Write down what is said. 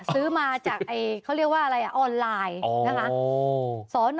ซื้อมาจากเขาเรียกว่าอะไรออนไลน์นะคะ